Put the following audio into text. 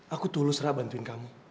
aku tulus rah bantuin kamu